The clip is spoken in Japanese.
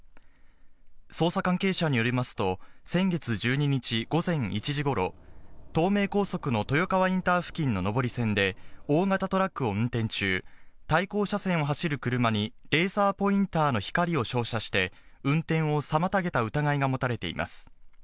捜査関係者によりますと、先月１２日午前１時ごろ、東名高速の豊川インター付近の上り線で、大型トラックを運転中、対向車線を走る車にレーザーポインターの光を照射して、運転を妨げた疑いが持たれています。